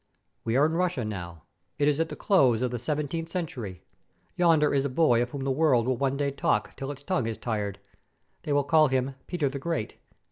We are in Russia now. It is at the close of the seventeenth century. Yonder is a boy of whom the world will one day talk till its tongue is tired. They will call him Peter the Great.